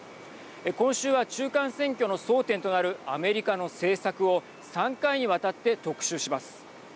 今週は中間選挙の争点となるアメリカの政策を３回にわたって特集します。